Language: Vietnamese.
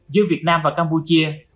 giữa việt nam và campuchia